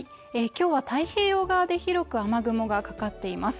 今日は太平洋側で広く雨雲がかかっています